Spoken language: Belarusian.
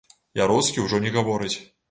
Яроцкі ўжо не гаворыць.